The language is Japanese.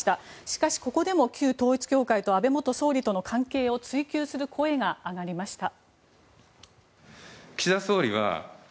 しかし、ここでも旧統一教会と安倍元総理との関係を追及する声が上がりました。